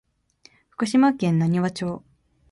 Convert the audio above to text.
福島県塙町